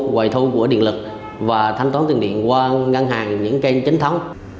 quầy thu của điện lực và thanh toán tiền điện qua ngân hàng những kênh chính thống